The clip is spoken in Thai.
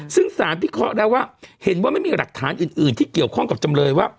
ซึ่งสารพิเคราะห์แล้วว่าเห็นว่าไม่มีหลักฐานอื่นที่เกี่ยวข้องกับจำเลยว่า